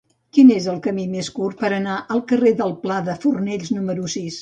Quin és el camí més curt per anar al carrer del Pla de Fornells número sis?